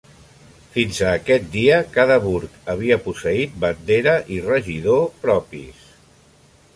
Fins a aquest dia cada burg havia posseït bandera i regidor propis.